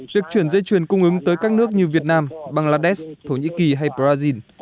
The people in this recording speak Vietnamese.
việc chuyển dây chuyền cung ứng tới các nước như việt nam bangladesh thổ nhĩ kỳ hay brazil